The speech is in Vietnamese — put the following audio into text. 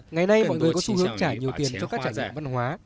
ngày nay mọi người có xu hướng trả nhiều tiền cho các trải nghiệm văn hóa